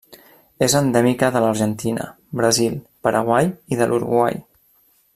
És endèmica de l'Argentina, Brasil, Paraguai i de l'Uruguai.